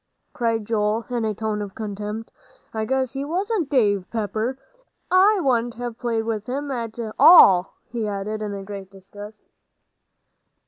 cried Joel, in a tone of contempt. "I guess he wasn't, Dave Pepper! I wouldn't have played with him at all," he added, in great disgust.